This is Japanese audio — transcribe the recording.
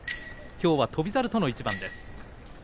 きょうは翔猿との対戦です。